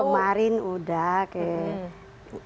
kemarin udah kayak